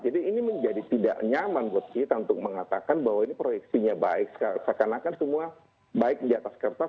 jadi ini menjadi tidak nyaman buat kita untuk mengatakan bahwa ini proyeksinya baik seakan akan semua baik di atas kertas